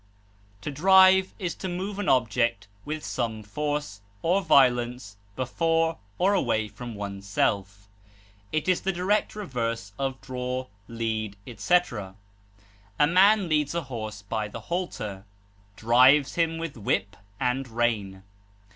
To drive is to move an object with some force or violence before or away from oneself; it is the direct reverse of draw, lead, etc. A man leads a horse by the halter, drives him with whip and rein.